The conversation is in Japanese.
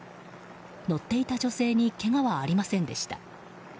乗っていた女性にけがはありませんでした。